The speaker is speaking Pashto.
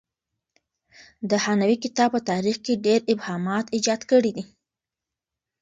د هانوې کتاب په تاریخ کې ډېر ابهامات ایجاد کړي دي.